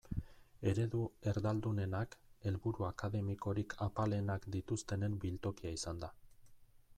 Eredu erdaldunenak helburu akademikorik apalenak dituztenen biltokia izan da.